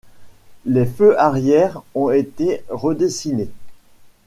Les feux arrière ont été redessinés.